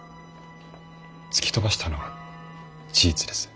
突き飛ばしたのは事実です。